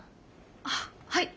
あっはい。